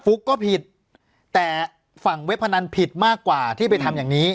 ุ๊กก็ผิดแต่ฝั่งเว็บพนันผิดมากกว่าที่ไปทำอย่างนี้